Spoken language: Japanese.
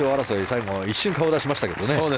最後、一瞬顔を出しましたけど。